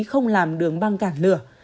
không làm đường băng cản lửa